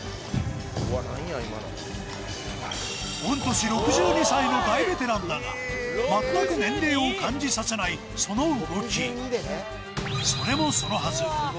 御年６２歳の大ベテランだが全く年齢を感じさせないその動きそれもそのはず